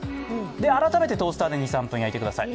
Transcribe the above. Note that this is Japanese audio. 改めてトースターで２３分焼いてください。